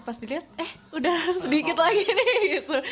pas dilihat eh udah sedikit lagi nih gitu